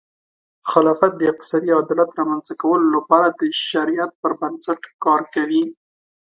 خلافت د اقتصادي عدالت رامنځته کولو لپاره د شریعت پر بنسټ کار کوي.